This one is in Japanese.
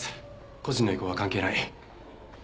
個人の意向は関係ない。